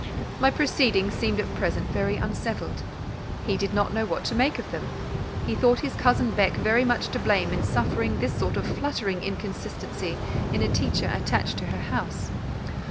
My proceedings seemed at present very unsettled: he did not know what to make of them: he thought his cousin Beck very much to blame in suffering this sort of fluttering inconsistency in a teacher attached to her house.